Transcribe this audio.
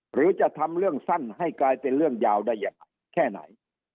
หรือจะทำเรื่องสั้นให้กลายเป็นเรื่องยาวได้ยังไงแค่ไหน